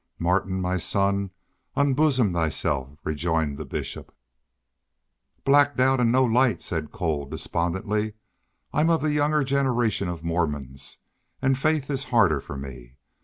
"Martin, my son, unbosom thyself," rejoined the Bishop. "Black doubt and no light," said Cole, despondently. "I'm of the younger generation of Mormons, and faith is harder for me.